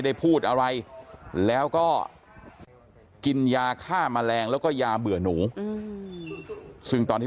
ได้พูดอะไรแล้วก็กินยาฆ่าแมลงแล้วก็ยาเบื่อหนูซึ่งตอนที่